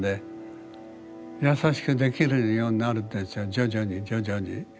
徐々に徐々に。